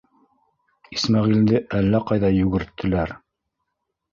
Исмәғилде әллә ҡайҙа йүгерттеләр.